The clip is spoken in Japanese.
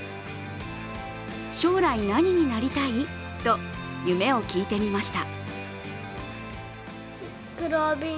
将来何になりたい？と夢を聞いてみました。